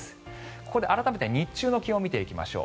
ここで改めて日中の気温を見ていきましょう。